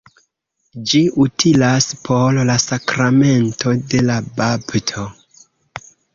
Ĝi utilas por la sakramento de la bapto.